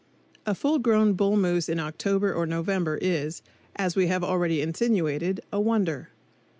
A full grown bull moose in October or November is, as we have already insinuated, a wonder.